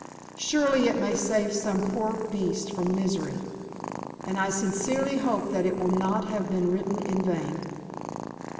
Surely it may save some poor beast from misery, and I sincerely hope that it will not have been written in vain.